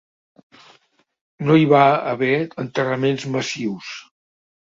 No hi va haver enterraments massius.